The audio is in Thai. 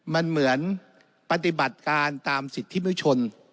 มันเหมือนปฏิบัติการตามสิทธิมชน